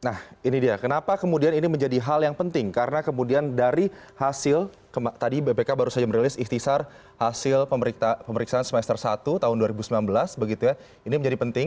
nah ini dia kenapa kemudian ini menjadi hal yang penting karena kemudian dari hasil tadi bpk baru saja merilis ikhtisar hasil pemeriksaan semester satu tahun dua ribu sembilan belas begitu ya ini menjadi penting